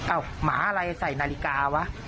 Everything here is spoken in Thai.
หมาอะไรใส่นาฬิกาวะ